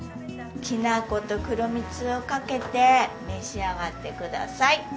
きな粉と黒蜜をかけて召し上がってください。